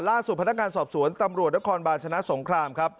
ล่าสุดพนักงานสอบสวนตำรวจนครบาลชนะสงครามครับ